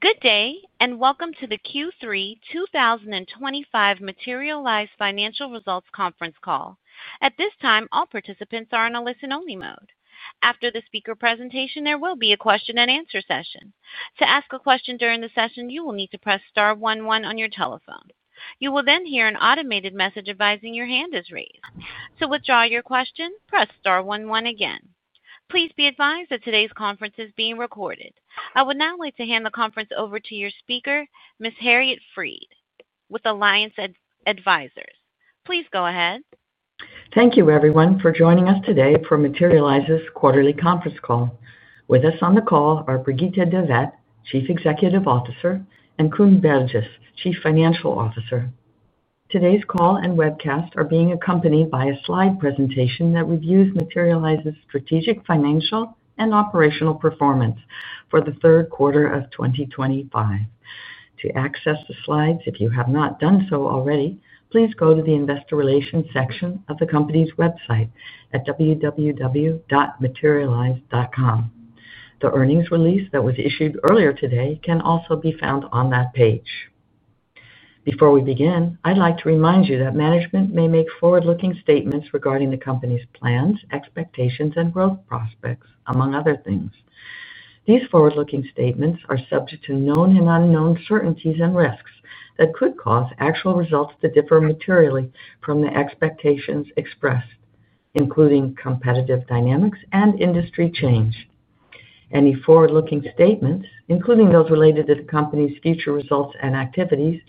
Good day, and welcome to the Q3 2025 Materialise Financial Results Conference call. At this time, all participants are in a listen-only mode. After the speaker presentation, there will be a question and answer session. To ask a question during the session, you will need to press *11 on your telephone. You will then hear an automated message advising your hand is raised. To withdraw your question, press *11 again. Please be advised that today's conference is being recorded. I would now like to hand the conference over to your speaker, Ms. Harriet Fried, with Alliance Advisors. Please go ahead. Thank you, everyone, for joining us today for Materialise's quarterly conference call. With us on the call are Brigitte de Vet-Veithen, Chief Executive Officer, and Koen Berges, Chief Financial Officer. Today's call and webcast are being accompanied by a slide presentation that reviews Materialise's strategic, financial, and operational performance for the third quarter of 2025. To access the slides, if you have not done so already, please go to the Investor Relations section of the company's website at www.materialise.com. The earnings release that was issued earlier today can also be found on that page. Before we begin, I'd like to remind you that management may make forward-looking statements regarding the company's plans, expectations, and growth prospects, among other things. These forward-looking statements are subject to known and unknown uncertainties and risks that could cause actual results to differ materially from the expectations expressed, including competitive dynamics and industry change. Any forward-looking statements, including those related to the company's future results and activities,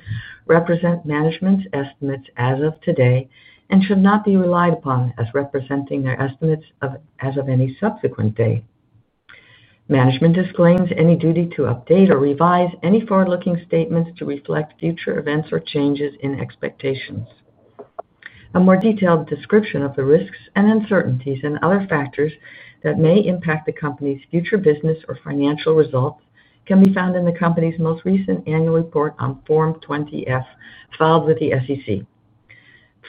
represent management's estimates as of today and should not be relied upon as representing their estimates as of any subsequent day. Management disclaims any duty to update or revise any forward-looking statements to reflect future events or changes in expectations. A more detailed description of the risks and uncertainties and other factors that may impact the company's future business or financial results can be found in the company's most recent annual report on Form 20-F filed with the SEC.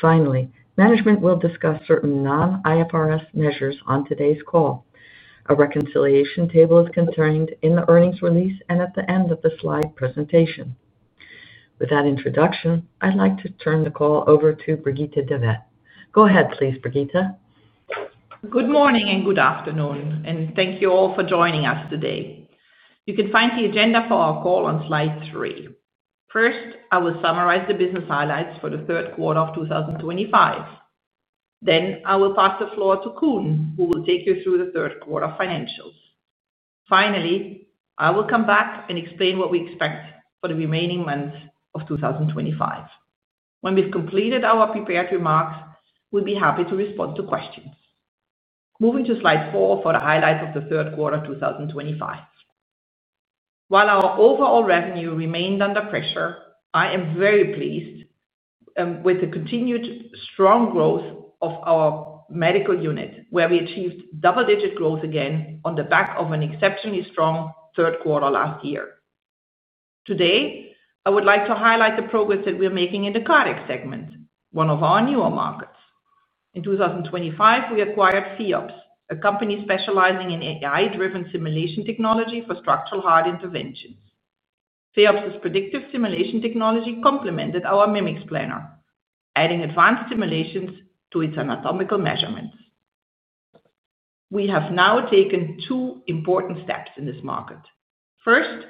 Finally, management will discuss certain non-IFRS measures on today's call. A reconciliation table is contained in the earnings release and at the end of the slide presentation. With that introduction, I'd like to turn the call over to Brigitte de Vet. Go ahead, please, Brigitte. Good morning and good afternoon, and thank you all for joining us today. You can find the agenda for our call on slide three. First, I will summarize the business highlights for the third quarter of 2025. Then, I will pass the floor to Koen, who will take you through the third quarter financials. Finally, I will come back and explain what we expect for the remaining months of 2025. When we've completed our prepared remarks, we'll be happy to respond to questions. Moving to slide four for the highlights of the third quarter of 2025. While our overall revenue remained under pressure, I am very pleased with the continued strong growth of our medical unit, where we achieved double-digit growth again on the back of an exceptionally strong third quarter last year. Today, I would like to highlight the progress that we're making in the cardiac segment, one of our newer markets. In 2025, we acquired FEops, a company specializing in AI-driven simulation technology for structural heart interventions. FEops's predictive simulation technology complemented our Mimics Planner, adding advanced simulations to its anatomical measurements. We have now taken two important steps in this market. First,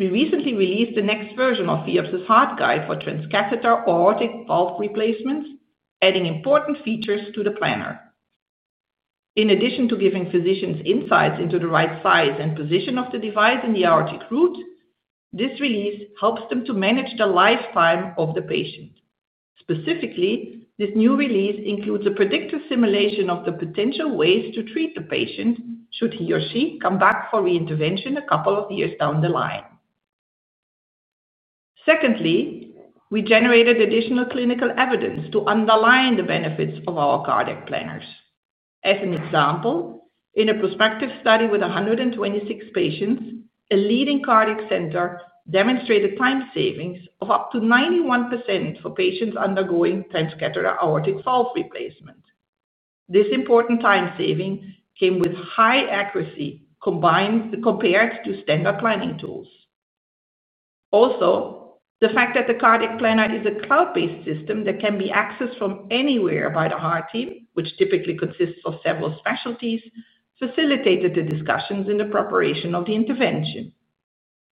we recently released the next version of FEops HEARTguide for transcatheter aortic valve replacements, adding important features to the planner. In addition to giving physicians insights into the right size and position of the device in the aortic root, this release helps them to manage the lifetime of the patient. Specifically, this new release includes a predictive simulation of the potential ways to treat the patient should he or she come back for re-intervention a couple of years down the line. Secondly, we generated additional clinical evidence to underline the benefits of our cardiac planners. As an example, in a prospective study with 126 patients, a leading cardiac center demonstrated time savings of up to 91% for patients undergoing transcatheter aortic valve replacement. This important time saving came with high accuracy compared to standard planning tools. Also, the fact that the cardiac planner is a cloud-based system that can be accessed from anywhere by the heart team, which typically consists of several specialties, facilitated the discussions in the preparation of the intervention.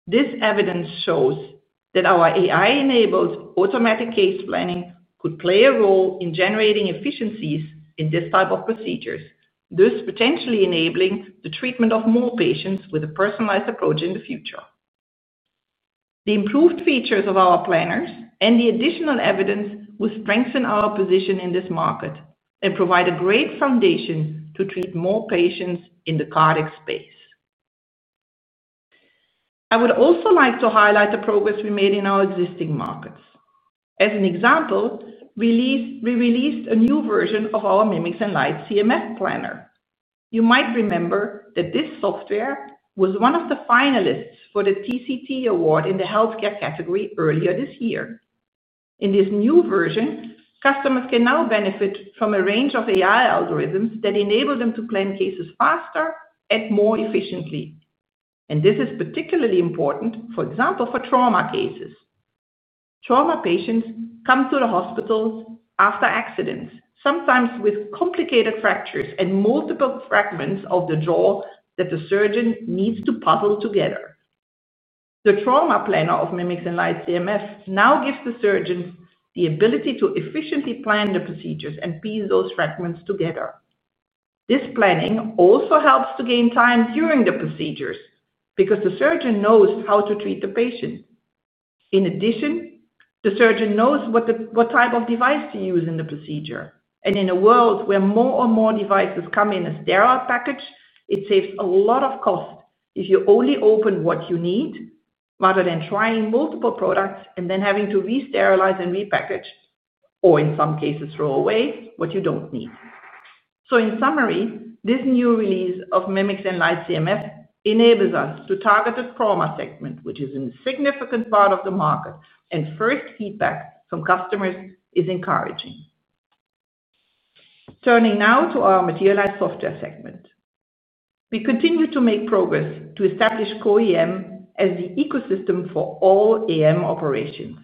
This evidence shows that our AI-enabled automatic case planning could play a role in generating efficiencies in this type of procedures, thus potentially enabling the treatment of more patients with a personalized approach in the future. The improved features of our planners and the additional evidence will strengthen our position in this market and provide a great foundation to treat more patients in the cardiac space. I would also like to highlight the progress we made in our existing markets. As an example, we released a new version of our Mimics and Lite CMS planner. You might remember that this software was one of the finalists for the TCT Award in the healthcare category earlier this year. In this new version, customers can now benefit from a range of AI algorithms that enable them to plan cases faster and more efficiently. This is particularly important, for example, for trauma cases. Trauma patients come to the hospitals after accidents, sometimes with complicated fractures and multiple fragments of the jaw that the surgeon needs to puzzle together. The trauma planner of Mimics and Lite CMS now gives the surgeon the ability to efficiently plan the procedures and piece those fragments together. This planning also helps to gain time during the procedures because the surgeon knows how to treat the patient. In addition, the surgeon knows what type of device to use in the procedure. In a world where more and more devices come in a sterile package, it saves a lot of cost if you only open what you need, rather than trying multiple products and then having to re-sterilize and repackage, or in some cases throw away what you don't need. In summary, this new release of Mimics and Lite CMS enables us to target the trauma segment, which is a significant part of the market, and first feedback from customers is encouraging. Turning now to our Materialise Software segment. We continue to make progress to establish CO-AM as the ecosystem for all AM operations.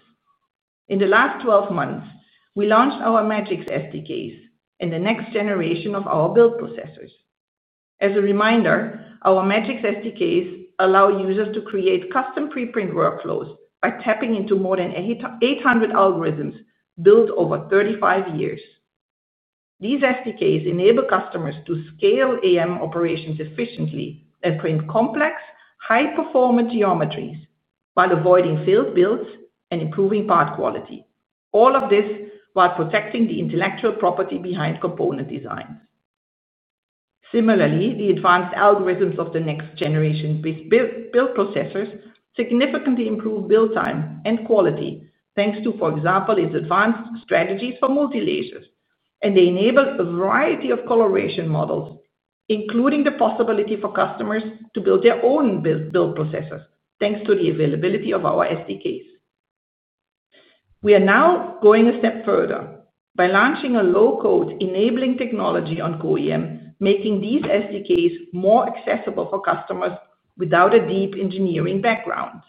In the last 12 months, we launched our Magics SDKs and the next-generation build processors. As a reminder, our Magics SDKs allow users to create custom pre-print workflows by tapping into more than 800 algorithms built over 35 years. These SDKs enable customers to scale AM operations efficiently and print complex, high-performance geometries while avoiding failed builds and improving part quality. All of this while protecting the intellectual property behind component designs. Similarly, the advanced algorithms of the next-generation build processors significantly improve build time and quality thanks to, for example, its advanced strategies for multi-layers, and they enable a variety of coloration models, including the possibility for customers to build their own build processors thanks to the availability of our SDKs. We are now going a step further by launching a low-code enabling technology on CO-AM, making these SDKs more accessible for customers without a deep engineering background.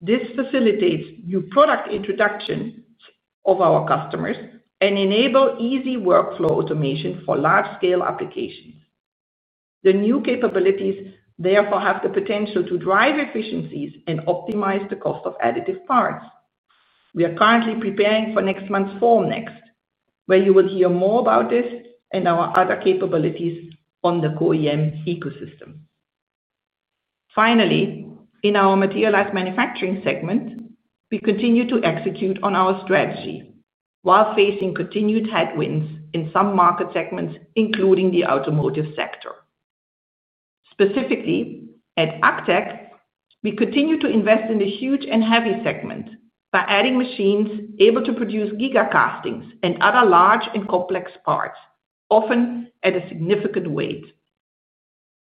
This facilitates new product introductions of our customers and enables easy workflow automation for large-scale applications. The new capabilities, therefore, have the potential to drive efficiencies and optimize the cost of additive parts. We are currently preparing for next month's Form Next, where you will hear more about this and our other capabilities on the CO-AM ecosystem. Finally, in our Materialise Manufacturing segment, we continue to execute on our strategy while facing continued headwinds in some market segments, including the automotive sector. Specifically, at ACTEC, we continue to invest in the huge and heavy segment by adding machines able to produce gigacastings and other large and complex parts, often at a significant weight.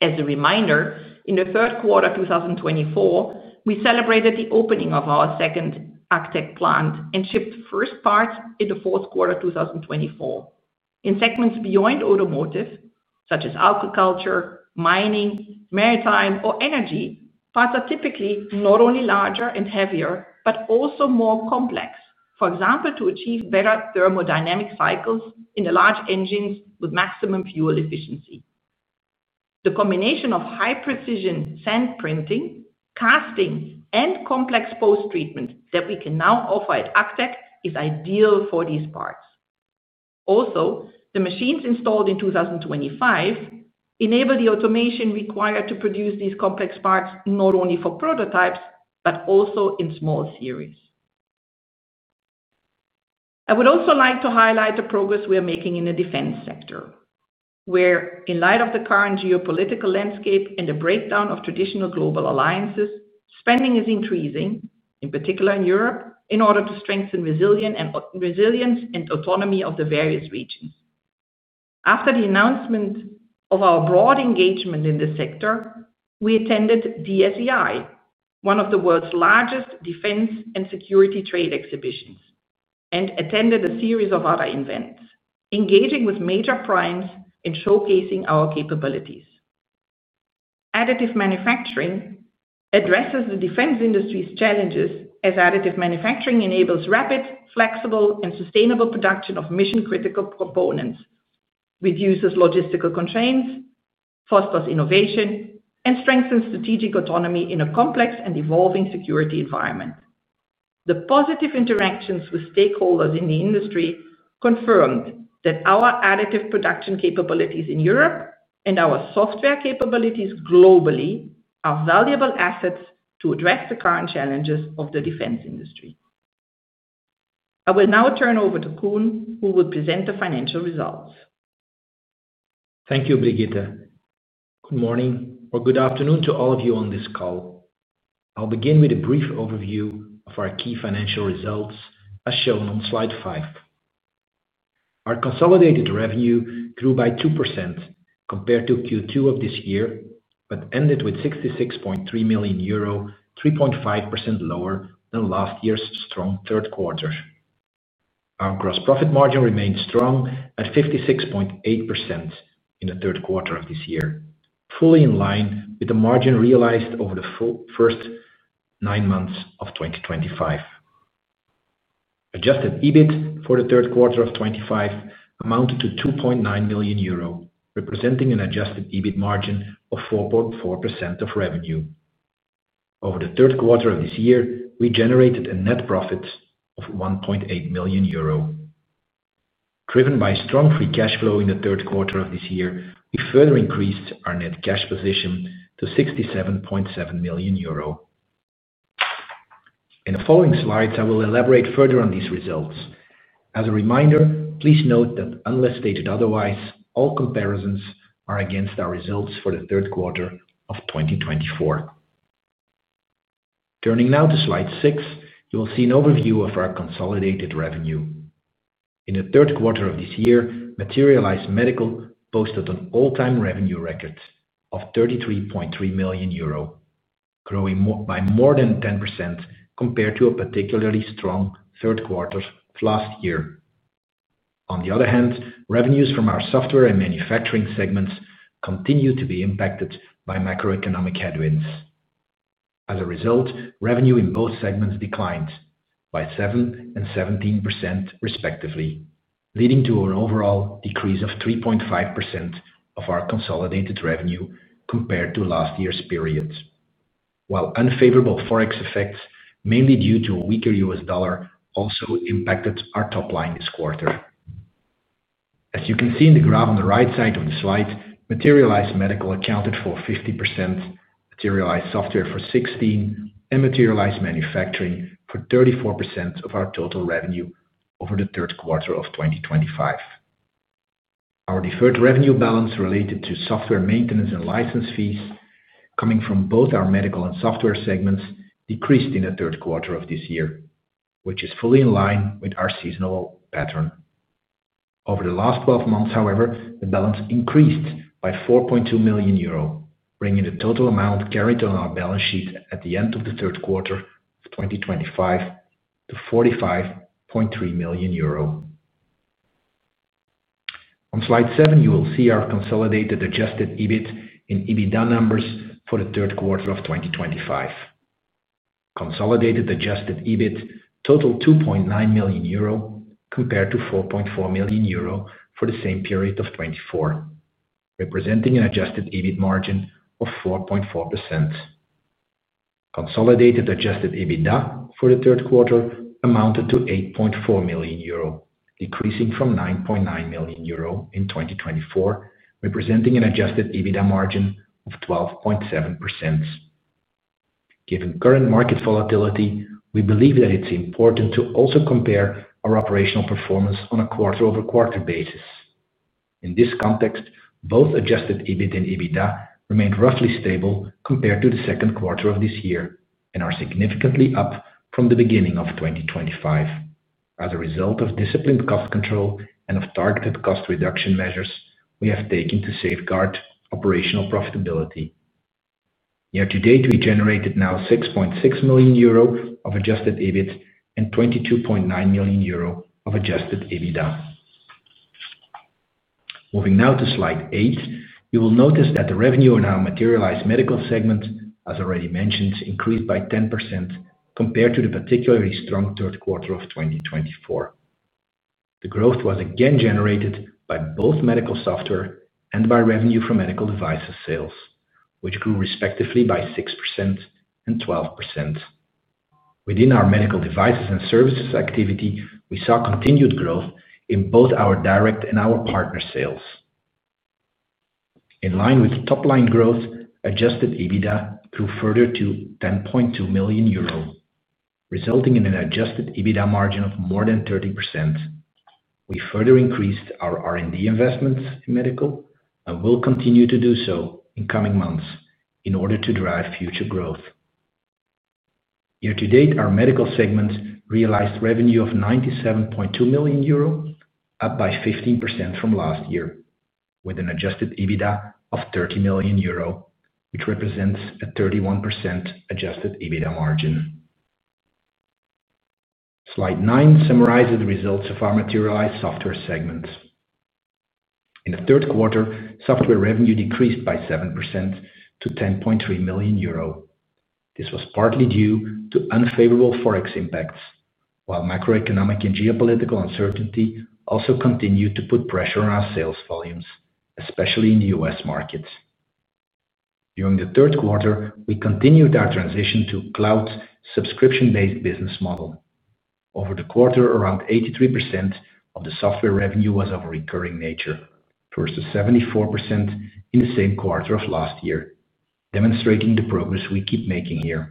As a reminder, in the third quarter of 2024, we celebrated the opening of our second ACTEC plant and shipped first parts in the fourth quarter of 2024. In segments beyond automotive, such as agriculture, mining, maritime, or energy, parts are typically not only larger and heavier but also more complex, for example, to achieve better thermodynamic cycles in the large engines with maximum fuel efficiency. The combination of high-precision sand printing, casting, and complex post-treatment that we can now offer at ACTEC is ideal for these parts. Also, the machines installed in 2025 enable the automation required to produce these complex parts not only for prototypes but also in small series. I would also like to highlight the progress we are making in the defense sector, where, in light of the current geopolitical landscape and the breakdown of traditional global alliances, spending is increasing, in particular in Europe, in order to strengthen resilience and autonomy of the various regions. After the announcement of our broad engagement in the sector, we attended DSEI, one of the world's largest defense and security trade exhibitions, and attended a series of other events, engaging with major primes and showcasing our capabilities. Additive manufacturing addresses the defense industry's challenges as additive manufacturing enables rapid, flexible, and sustainable production of mission-critical components, reduces logistical constraints, fosters innovation, and strengthens strategic autonomy in a complex and evolving security environment. The positive interactions with stakeholders in the industry confirmed that our additive production capabilities in Europe and our software capabilities globally are valuable assets to address the current challenges of the defense industry. I will now turn over to Koen, who will present the financial results. Thank you, Brigitte. Good morning or good afternoon to all of you on this call. I'll begin with a brief overview of our key financial results, as shown on slide five. Our consolidated revenue grew by 2% compared to Q2 of this year but ended with 66.3 million euro, 3.5% lower than last year's strong third quarter. Our gross profit margin remained strong at 56.8% in the third quarter of this year, fully in line with the margin realized over the first nine months of 2025. Adjusted EBIT for the third quarter of 2025 amounted to 2.9 million euro, representing an adjusted EBIT margin of 4.4% of revenue. Over the third quarter of this year, we generated a net profit of 1.8 million euro. Driven by strong free cash flow in the third quarter of this year, we further increased our net cash position to 67.7 million euro. In the following slides, I will elaborate further on these results. As a reminder, please note that, unless stated otherwise, all comparisons are against our results for the third quarter of 2024. Turning now to slide six, you will see an overview of our consolidated revenue. In the third quarter of this year, Materialise Medical posted an all-time revenue record of 33.3 million euro, growing by more than 10% compared to a particularly strong third quarter last year. On the other hand, revenues from our software and manufacturing segments continue to be impacted by macroeconomic headwinds. As a result, revenue in both segments declined by 7% and 17%, respectively, leading to an overall decrease of 3.5% of our consolidated revenue compared to last year's period, while unfavorable forex effects, mainly due to a weaker US dollar, also impacted our top line this quarter. As you can see in the graph on the right side of the slide, Materialise Medical accounted for 50%, Materialise Software for 16%, and Materialise Manufacturing for 34% of our total revenue over the third quarter of 2025. Our deferred revenue balance related to software maintenance and license fees coming from both our medical and software segments decreased in the third quarter of this year, which is fully in line with our seasonal pattern. Over the last 12 months, however, the balance increased by 4.2 million euro, bringing the total amount carried on our balance sheet at the end of the third quarter of 2025 to 45.3 million euro. On slide seven, you will see our consolidated adjusted EBIT and EBITDA numbers for the third quarter of 2025. Consolidated adjusted EBIT totaled 2.9 million euro compared to 4.4 million euro for the same period of 2024, representing an adjusted EBIT margin of 4.4%. Consolidated adjusted EBITDA for the third quarter amounted to 8.4 million euro, decreasing from 9.9 million euro in 2024, representing an adjusted EBITDA margin of 12.7%. Given current market volatility, we believe that it's important to also compare our operational performance on a quarter-over-quarter basis. In this context, both adjusted EBIT and EBITDA remained roughly stable compared to the second quarter of this year and are significantly up from the beginning of 2025. As a result of disciplined cost control and of targeted cost reduction measures, we have taken to safeguard operational profitability. Year to date, we generated now 6.6 million euro of adjusted EBIT and 22.9 million euro of adjusted EBITDA. Moving now to slide eight, you will notice that the revenue in our Materialise Medical segment, as already mentioned, increased by 10% compared to the particularly strong third quarter of 2024. The growth was again generated by both medical software and by revenue from medical devices sales, which grew respectively by 6% and 12%. Within our medical devices and services activity, we saw continued growth in both our direct and our partner sales. In line with the top line growth, adjusted EBITDA grew further to 10.2 million euros, resulting in an adjusted EBITDA margin of more than 30%. We further increased our R&D investments in medical and will continue to do so in coming months in order to drive future growth. Year to date, our medical segment realized revenue of 97.2 million euro, up by 15% from last year, with an adjusted EBITDA of 30 million euro, which represents a 31% adjusted EBITDA margin. Slide nine summarizes the results of our Materialise Software segments. In the third quarter, software revenue decreased by 7% to 10.3 million euro. This was partly due to unfavorable forex effects, while macroeconomic and geopolitical uncertainty also continued to put pressure on our sales volumes, especially in the U.S. markets. During the third quarter, we continued our transition to cloud's subscription-based business model. Over the quarter, around 83% of the software revenue was of a recurring nature, close to 74% in the same quarter of last year, demonstrating the progress we keep making here.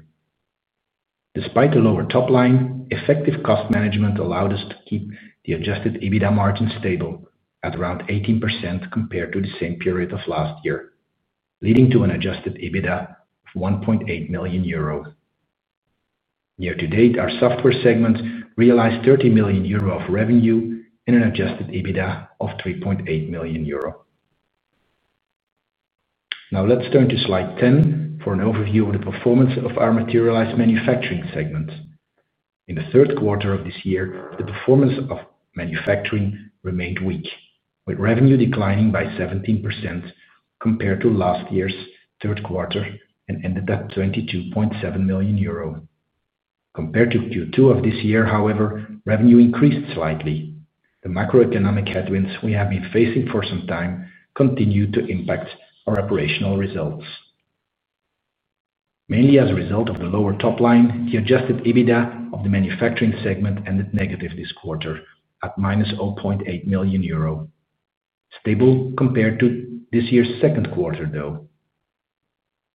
Despite the lower top line, effective cost management allowed us to keep the adjusted EBITDA margin stable at around 18% compared to the same period of last year, leading to an adjusted EBITDA of 1.8 million euros. Year to date, our software segment realized 30 million euro of revenue and an adjusted EBITDA of 3.8 million euro. Now let's turn to slide 10 for an overview of the performance of our Materialise Manufacturing segment. In the third quarter of this year, the performance of manufacturing remained weak, with revenue declining by 17% compared to last year's third quarter and ended at 22.7 million euro. Compared to Q2 of this year, however, revenue increased slightly. The macroeconomic headwinds we have been facing for some time continue to impact our operational results. Mainly as a result of the lower top line, the adjusted EBITDA of the manufacturing segment ended negative this quarter at -0.8 million euro, stable compared to this year's second quarter, though.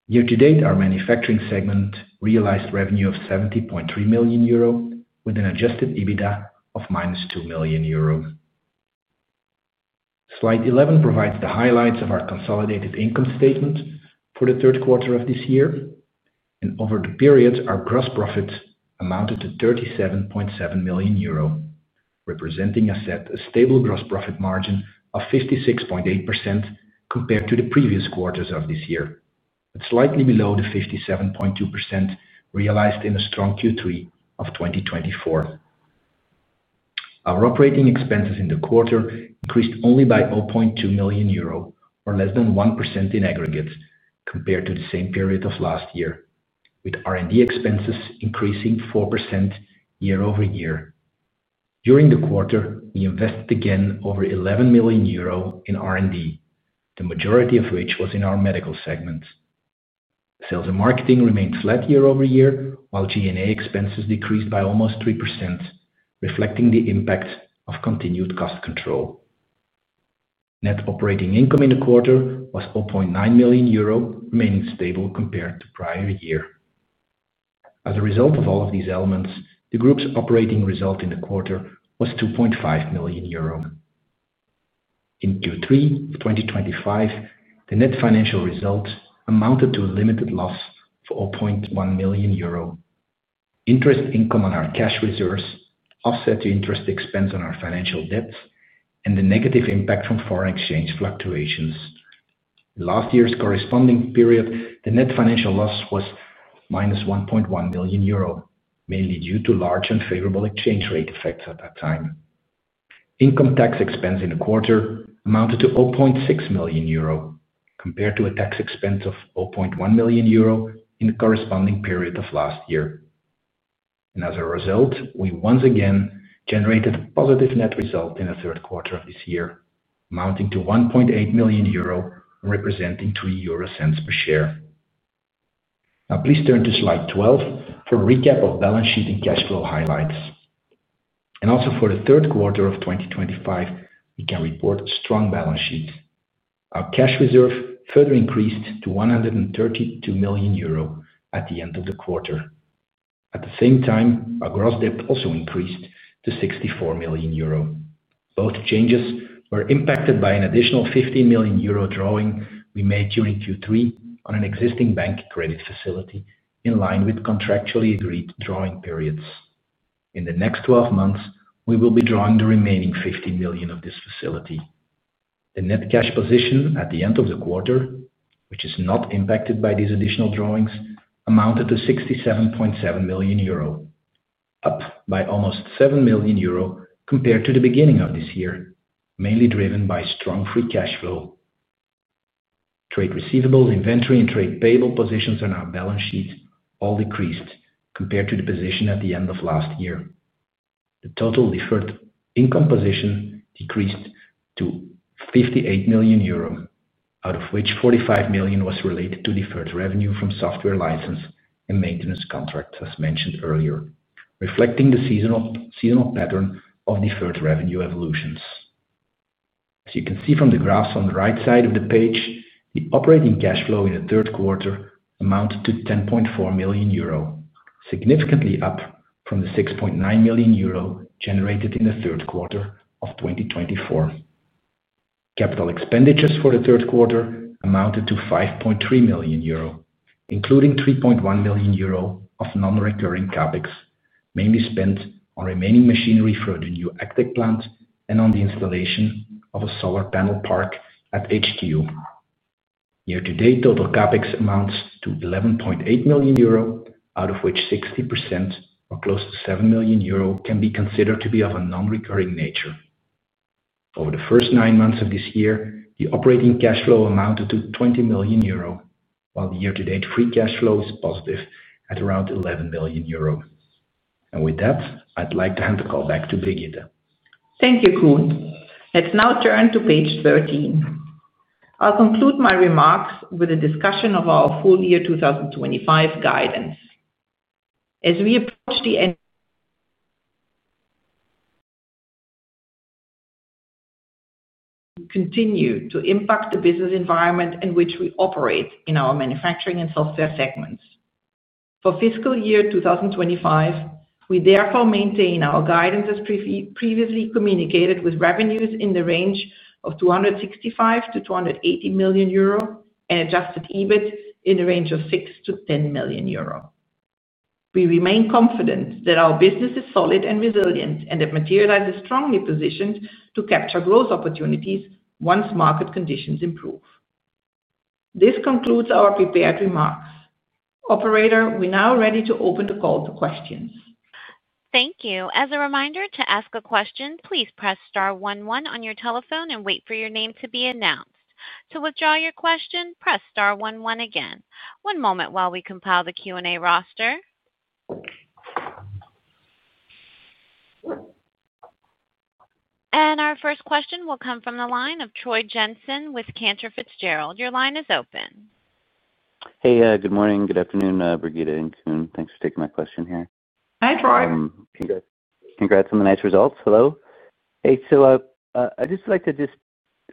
Year to date, our manufacturing segment realized revenue of €70.3 million, with an adjusted EBITDA of 2 million euros. Slide 11 provides the highlights of our consolidated income statement for the third quarter of this year. Over the period, our gross profits amounted to 37.7 million euro, representing a stable gross profit margin of 56.8% compared to the previous quarters of this year, but slightly below the 57.2% realized in a strong Q3 of 2024. Our operating expenses in the quarter increased only by 0.2 million euro, or less than 1% in aggregate, compared to the same period of last year, with R&D expenses increasing 4% year over year. During the quarter, we invested again over 11 million euro in R&D, the majority of which was in our medical segment. Sales and marketing remained flat year over year, while G&A expenses decreased by almost 3%, reflecting the impact of continued cost control. Net operating income in the quarter was 0.9 million euro, remaining stable compared to prior year. As a result of all of these elements, the group's operating result in the quarter was 2.5 million euro. In Q3 of 2025, the net financial results amounted to a limited loss of 0.1 million euro. Interest income on our cash reserves offset the interest expense on our financial debts and the negative impact from foreign exchange fluctuations. In last year's corresponding period, the net financial loss was 1.1 million euro, mainly due to large unfavorable exchange rate effects at that time. Income tax expense in the quarter amounted to 0.6 million euro, compared to a tax expense of 0.1 million euro in the corresponding period of last year. As a result, we once again generated a positive net result in the third quarter of this year, amounting to 1.8 million euro and representing 0.03 per share. Now please turn to slide 12 for a recap of balance sheet and cash flow highlights. Also for the third quarter of 2025, we can report strong balance sheets. Our cash reserve further increased to 132 million euro at the end of the quarter. At the same time, our gross debt also increased to 64 million euro. Both changes were impacted by an additional 15 million euro drawing we made during Q3 on an existing bank credit facility in line with contractually agreed drawing periods. In the next 12 months, we will be drawing the remaining 15 million of this facility. The net cash position at the end of the quarter, which is not impacted by these additional drawings, amounted to 67.7 million euro, up by almost 7 million euro compared to the beginning of this year, mainly driven by strong free cash flow. Trade receivables, inventory, and trade payable positions on our balance sheets all decreased compared to the position at the end of last year. The total deferred income position decreased to 58 million euro, out of which 45 million was related to deferred revenue from software license and maintenance contracts, as mentioned earlier, reflecting the seasonal pattern of deferred revenue evolutions. As you can see from the graphs on the right side of the page, the operating cash flow in the third quarter amounted to 10.4 million euro, significantly up from the 6.9 million euro generated in the third quarter of 2024. Capital expenditures for the third quarter amounted to 5.3 million euro, including 3.1 million euro of non-recurring CapEx, mainly spent on remaining machinery for the new ACTEC plant and on the installation of a solar panel park at HQ. Year to date, total CapEx amounts to 11.8 million euro, out of which 60%, or close to 7 million euro, can be considered to be of a non-recurring nature. Over the first nine months of this year, the operating cash flow amounted to 20 million euro, while the year to date free cash flow is positive at around €11 million. With that, I'd like to hand the call back to Brigitte. Thank you, Koen. Let's now turn to page 13. I'll conclude my remarks with a discussion of our full year 2025 guidance. As we approach the end, we continue to impact the business environment in which we operate in our manufacturing and software segments. For fiscal year 2025, we therefore maintain our guidance as previously communicated, with revenues in the range of 265-280 million euro and adjusted EBIT in the range of 6-10 million euro. We remain confident that our business is solid and resilient and that Materialise is strongly positioned to capture growth opportunities once market conditions improve. This concludes our prepared remarks. Operator, we're now ready to open the call to questions. Thank you. As a reminder, to ask a question, please press *11 on your telephone and wait for your name to be announced. To withdraw your question, press *11 again. One moment while we compile the Q&A roster. Our first question will come from the line of Troy Jensen with Cantor Fitzgerald. Your line is open. Hey, good morning, good afternoon, Brigitte and Koen. Thanks for taking my question here. Hi, Troy. Congrats on the nice results. Hello. Hey, I'd just like to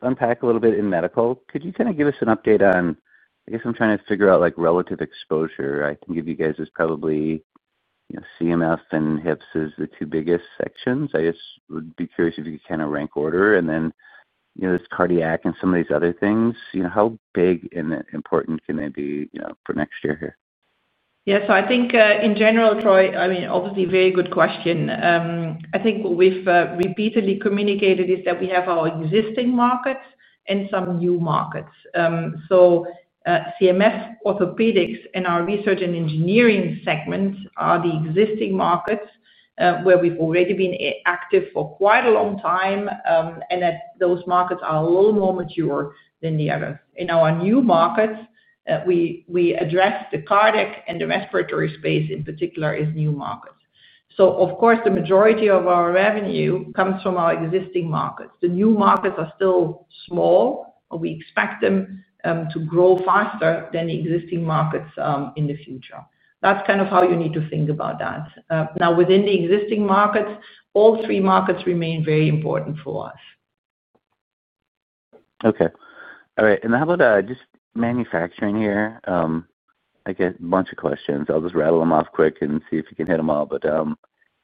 unpack a little bit in medical. Could you kind of give us an update on, I guess I'm trying to figure out like relative exposure. I think of you guys as probably, you know, CMF and HIPS as the two biggest sections. I just would be curious if you could kind of rank order and then, you know, this cardiac and some of these other things, you know, how big and important can they be, you know, for next year here? Yeah, so I think, in general, Troy, I mean, obviously a very good question. I think what we've repeatedly communicated is that we have our existing markets and some new markets. CMF, orthopedics, and our research and engineering segments are the existing markets, where we've already been active for quite a long time, and that those markets are a little more mature than the others. In our new markets, we address the cardiac and the respiratory space in particular as new markets. Of course, the majority of our revenue comes from our existing markets. The new markets are still small, but we expect them to grow faster than the existing markets in the future. That's kind of how you need to think about that. Now, within the existing markets, all three markets remain very important for us. Okay. All right. How about just manufacturing here? I get a bunch of questions. I'll just rattle them off quick and see if you can hit them all.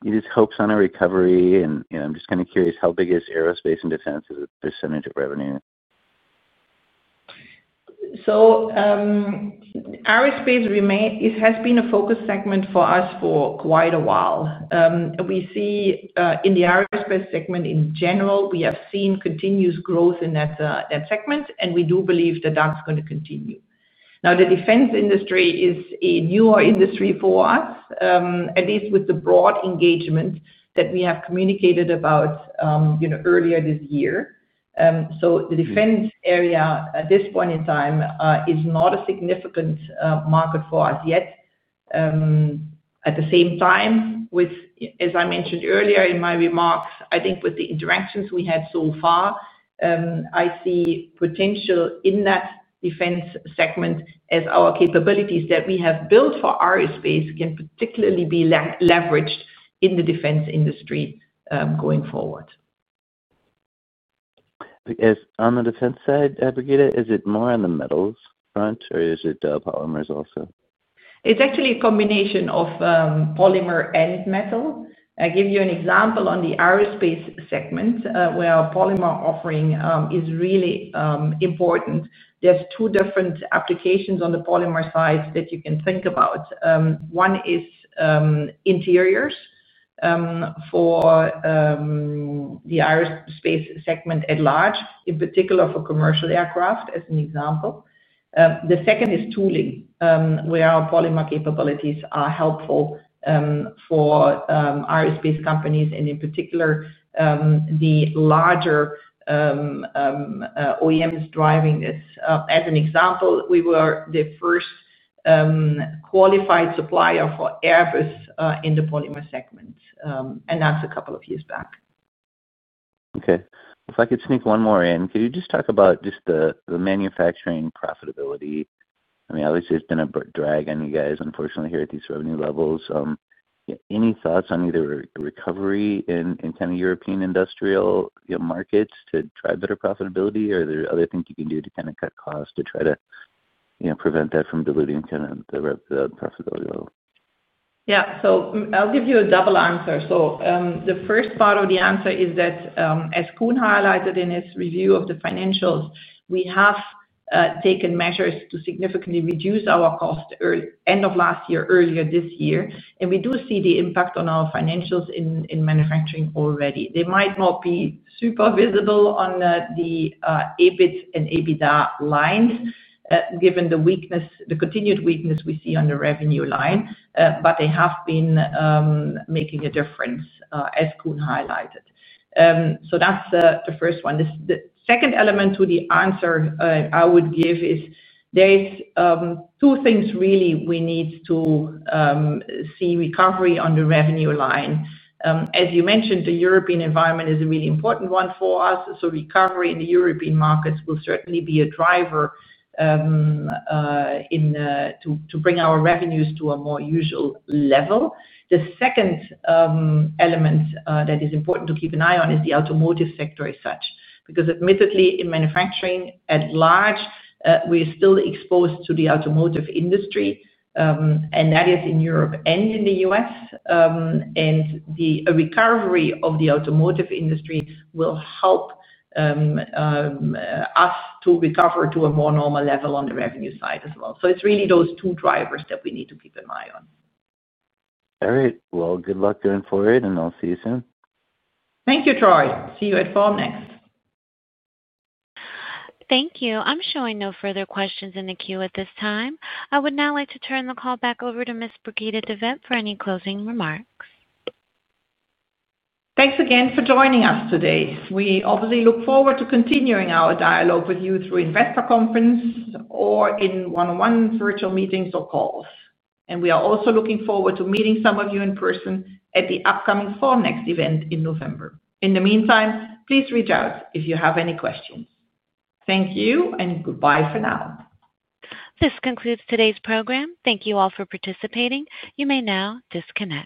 You just hope on a recovery, and I'm just kind of curious, how big is aerospace and defense as a percentage of revenue? Aerospace has been a focus segment for us for quite a while. We see, in the aerospace segment in general, we have seen continuous growth in that segment, and we do believe that that's going to continue. The defense industry is a newer industry for us, at least with the broad engagement that we have communicated about earlier this year. The defense area at this point in time is not a significant market for us yet. At the same time, as I mentioned earlier in my remarks, I think with the interactions we had so far, I see potential in that defense segment as our capabilities that we have built for aerospace can particularly be leveraged in the defense industry going forward. I guess on the defense side, Brigitte, is it more on the metals front, or is it polymers also? It's actually a combination of polymer and metal. I'll give you an example on the aerospace segment, where our polymer offering is really important. There's two different applications on the polymer side that you can think about. One is interiors for the aerospace segment at large, in particular for commercial aircraft, as an example. The second is tooling, where our polymer capabilities are helpful for aerospace companies, and in particular, the larger OEMs driving this. As an example, we were the first qualified supplier for Airbus in the polymer segment, and that's a couple of years back. Okay. If I could sneak one more in, could you just talk about the manufacturing profitability? I mean, obviously, it's been a drag on you guys, unfortunately, here at these revenue levels. Yeah, any thoughts on either a recovery in kind of European industrial markets to drive better profitability, or are there other things you can do to kind of cut costs to try to prevent that from diluting the profitability level? Yeah. I'll give you a double answer. The first part of the answer is that, as Koen highlighted in his review of the financials, we have taken measures to significantly reduce our costs end of last year, earlier this year. We do see the impact on our financials in manufacturing already. They might not be super visible on the EBIT and EBITDA lines, given the continued weakness we see on the revenue line, but they have been making a difference, as Koen highlighted. That's the first one. The second element to the answer I would give is there's two things really we need to see recovery on the revenue line. As you mentioned, the European environment is a really important one for us. Recovery in the European markets will certainly be a driver to bring our revenues to a more usual level. The second element that is important to keep an eye on is the automotive sector as such. Admittedly, in manufacturing at large, we are still exposed to the automotive industry, and that is in Europe and in the U.S. The recovery of the automotive industry will help us to recover to a more normal level on the revenue side as well. It's really those two drivers that we need to keep an eye on. All right. Good luck going forward, and I'll see you soon. Thank you, Troy. See you at Formnext. Thank you. I'm showing no further questions in the queue at this time. I would now like to turn the call back over to Ms. Brigitte de Vet-Veithen for any closing remarks. Thanks again for joining us today. We obviously look forward to continuing our dialogue with you through Investor Conference or in one-on-one virtual meetings or calls. We are also looking forward to meeting some of you in person at the upcoming Formnext event in November. In the meantime, please reach out if you have any questions. Thank you and goodbye for now. This concludes today's program. Thank you all for participating. You may now disconnect.